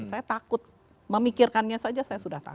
saya takut memikirkannya saja saya sudah tahu